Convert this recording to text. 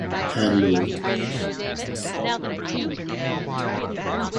The village of Berrien Springs is the only incorporated municipality within the township.